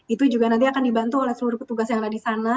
itu juga nanti akan dibantu oleh seluruh petugas yang ada di sana